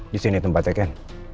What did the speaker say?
disini tempatnya kan